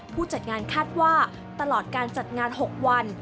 ผู้จัดงานคาดว่าตลอดการจัดงาน๖วัน